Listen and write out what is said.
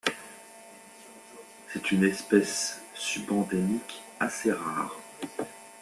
C'est une espèce subendémique, assez rare.